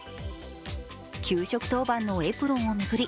給食当番のエプロンを巡り